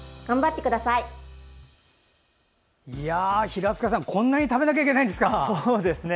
平塚さん、こんなに食べなきゃいけないんですか。